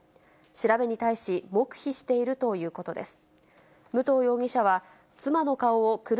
調べに対し、黙秘しているということです。